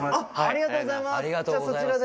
ありがとうございます。